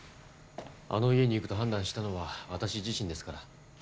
あの家に行くと判断したのは私自身ですから。